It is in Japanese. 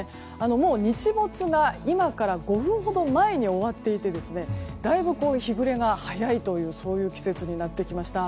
もう日没が今から５分ほど前に終わっていてだいぶ日暮れが早いというそういう季節になってきました。